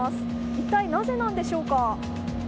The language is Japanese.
一体なぜなんでしょうか？